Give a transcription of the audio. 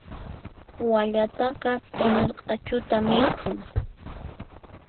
Wallataqa q'umir q'achuta mikhun.